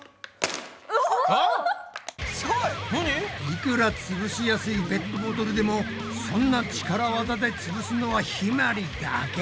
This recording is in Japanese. いくらつぶしやすいペットボトルでもそんな力技でつぶすのはひまりだけ！